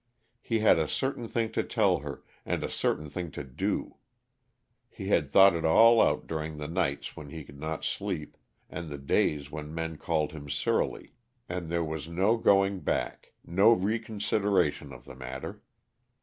He had a certain thing to tell her, and a certain thing to do; he had thought it all out during the nights when he could not sleep and the days when men called him surly, and there was no going back, no reconsideration of the matter.